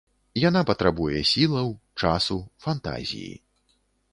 Яна патрабуе сілаў, часу, фантазіі.